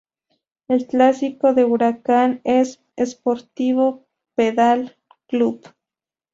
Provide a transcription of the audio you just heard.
El clásico de Huracán es Sportivo Pedal Club.